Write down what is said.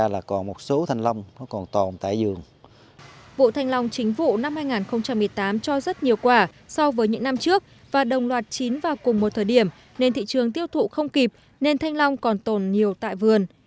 vụ thanh long chính vụ năm hai nghìn một mươi tám cho rất nhiều quả so với những năm trước và đồng loạt chín vào cùng một thời điểm nên thị trường tiêu thụ không kịp nên thanh long còn tồn nhiều tại vườn